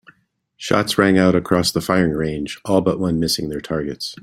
Shots rang out across the firing range, all but one missing their targets.